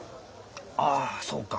あそうか。